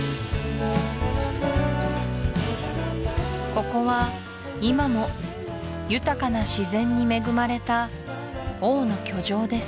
ここは今も豊かな自然に恵まれた王の居城です